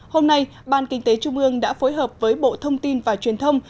hôm nay ban kinh tế trung ương đã phối hợp với bộ thông tin và truyền thông